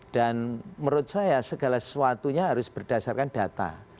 dan menurut saya segala sesuatunya harus berdasarkan data